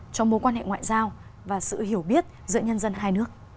cho mối quan hệ ngoại giao và sự hiểu biết giữa nhân dân hai nước